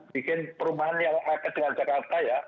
bukan itu tolong jangan bikin perumahan yang sama dengan jakarta ya